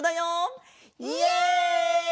イエイ！